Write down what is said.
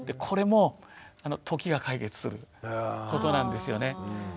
これも時が解決することなんですよね。